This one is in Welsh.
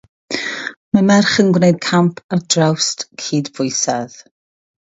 Mae merch yn gwneud camp ar drawst cydbwysedd.